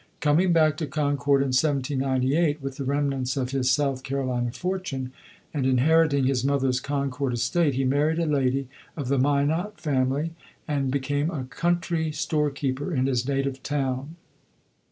Coming back to Concord in 1798, with the remnants of his South Carolina fortune, and inheriting his mother's Concord estate, he married a lady of the Minott family, and became a country store keeper in his native town.